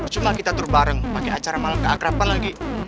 cuma kita tur bareng pakai acara malang ke akrapeng lagi